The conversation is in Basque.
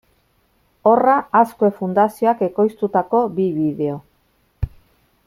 Horra Azkue Fundazioak ekoiztutako bi bideo.